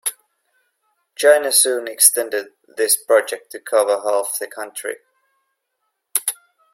China soon extended this project to cover half the country.